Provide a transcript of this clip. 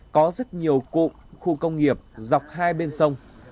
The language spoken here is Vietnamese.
có rất nhiều cụm khu công nghiệp dọc hai bên sông